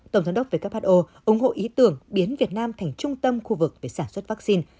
tổng giám đốc who ủng hộ ý tưởng biến việt nam thành trung tâm khu vực về sản xuất vaccine